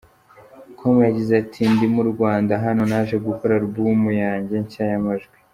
com yagize ati “Ndi mu Rwanda, hano naje gukora alubumu yanjye nshya y’amajwi.